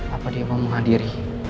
apa dia mau menghadiri